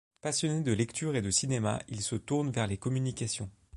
Passionné de lecture et de cinéma, il se tourne vers les communications.